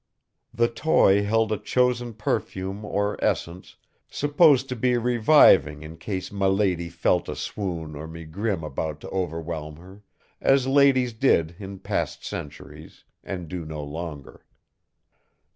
The toy held a chosen perfume or essence supposed to be reviving in case miladi felt a swoon or megrim about to overwhelm her; as ladies did in past centuries and do no longer.